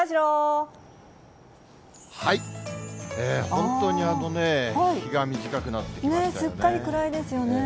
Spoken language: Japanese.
本当に日が短くなってきましすっかり暗いですよね。